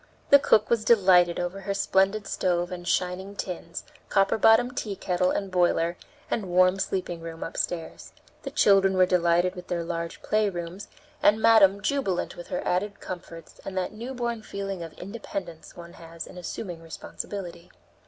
The cook was delighted over her splendid stove and shining tins, copper bottomed tea kettle and boiler, and warm sleeping room upstairs; the children were delighted with their large playrooms, and madam jubilant with her added comforts and that newborn feeling of independence one has in assuming responsibility.